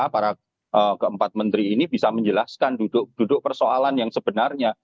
para keempat menteri ini bisa menjelaskan duduk duduk persoalan yang sebenarnya